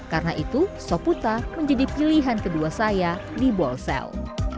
karena itu soputa menjadi pilihan kedua saya di bolsel